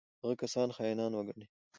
هغه کسان خاینان وګڼي.